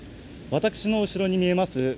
私の後ろに見えます